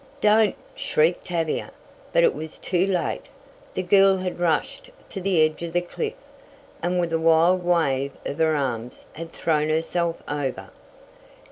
"Don't!" shrieked Tavia. But it was too late. The girl had rushed to the edge of the cliff, and with a wild wave of her arms had thrown herself over!